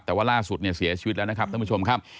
แต่ว่าล่าสุดเนี่ยเสียชีวิตแล้วนะครับท่านผู้ชมครับ